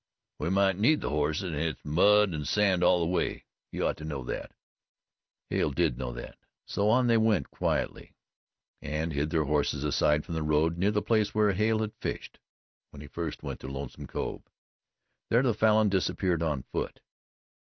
"We might need the hosses, and hit's mud and sand all the way you ought to know that." Hale did know that; so on they went quietly and hid their horses aside from the road near the place where Hale had fished when he first went to Lonesome Cove. There the Falin disappeared on foot.